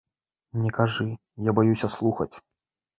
Не кажы, я баюся слухаць.